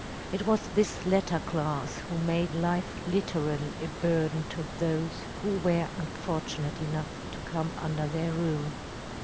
It was this latter class who made life literally a burden to those who were unfortunate enough to come under their rule.